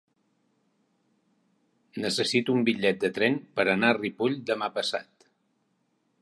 Necessito un bitllet de tren per anar a Ripoll demà passat.